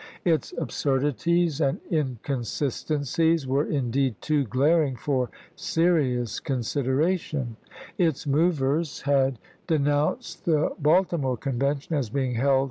Its absurdities and inconsistencies were, indeed, too glaring for serious consideration. Its movers had 40 ABKAHAM LINCOLN chap. ii. denounced the Baltimore Convention as being held 1864.